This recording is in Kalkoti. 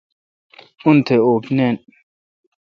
انیت اوپ نین۔